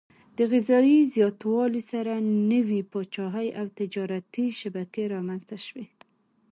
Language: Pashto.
د غذايي زیاتوالي سره نوي پاچاهي او تجارتي شبکې رامنځته شوې.